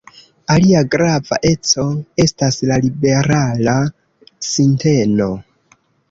Alia grava eco estas la liberala sinteno.